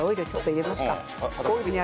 入れます？